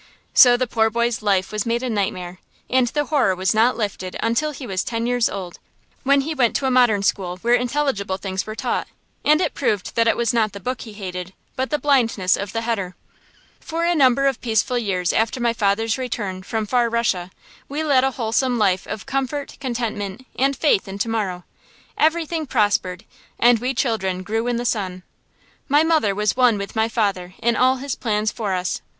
So the poor boy's life was made a nightmare, and the horror was not lifted until he was ten years old, when he went to a modern school where intelligible things were taught, and it proved that it was not the book he hated, but the blindness of the heder. For a number of peaceful years after my father's return from "far Russia," we led a wholesome life of comfort, contentment, and faith in to morrow. Everything prospered, and we children grew in the sun. My mother was one with my father in all his plans for us.